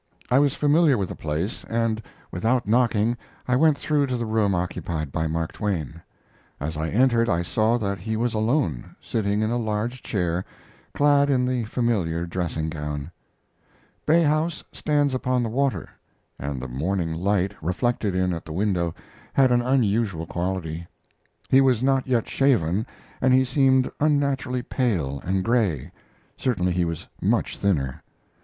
I was familiar with the place, and, without knocking, I went through to the room occupied by Mark Twain. As I entered I saw that he was alone, sitting in a large chair, clad in the familiar dressing gown. Bay House stands upon the water, and the morning light, reflected in at the window, had an unusual quality. He was not yet shaven, and he seemed unnaturally pale and gray; certainly he was much thinner.